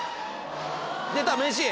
出た名シーン。